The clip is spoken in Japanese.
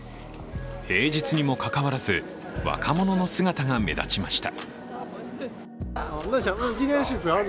平日にもかかわらず若者の姿が目立ちました。